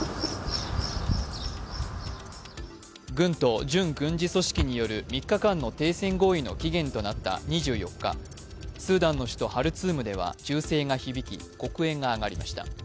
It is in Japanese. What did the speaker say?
軍と準軍事組織による３日間の停戦合意の期限となった２４日スーダンの首都ハルツームでは銃声が響き、黒煙が上がりました。